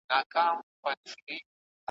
پکښی شخول به وو همېش د بلبلانو,